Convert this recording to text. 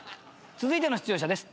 続いての出場者です。